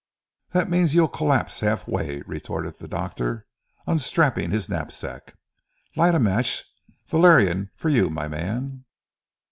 "That means you'll collapse half way," retorted the doctor unstrapping his knapsack. "Light a match. Valerian for you my man."